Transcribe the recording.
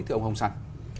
thưa ông hồng săn